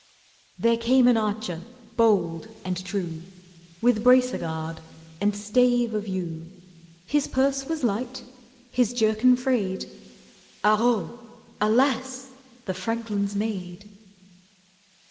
There came an archer bold and true, With bracer guard and stave of yew; His purse was light, his jerkin frayed— Haro, alas! the franklin's maid!